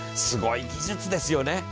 すごい技術ですよね。